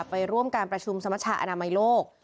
ไปร่วมการประชุมสมชาอนามัยโลก